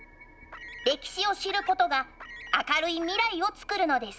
歴史を知ることが明るい未来をつくるのです。